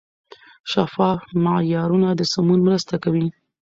شفاف معیارونه د سمون مرسته کوي.